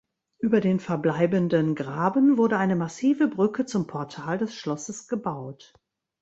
Über den verbleibenden Graben wurde eine massive Brücke zum Portal des Schlosses gebaut.